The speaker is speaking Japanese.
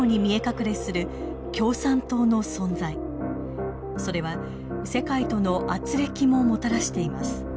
それは世界とのあつれきももたらしています。